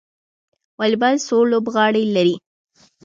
والیبال څو لوبغاړي لري؟